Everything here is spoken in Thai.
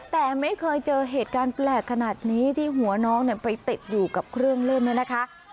แต่ไม่เคยเจอเหตุการณ์แปลกขนาดนี้ที่หัวน้องไปติดอยู่กับเครื่องเล่นเนี่ยนะคะ